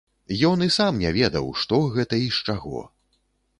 Ён і сам не ведаў, што гэта і з чаго.